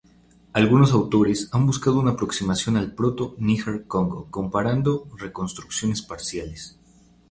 Algunos autores han buscado una aproximación al proto-Níger-Congo comparando reconstrucciones parciales.